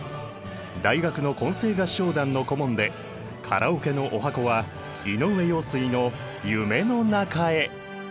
大学の混声合唱団の顧問でカラオケの十八番は井上陽水の「夢の中へ」！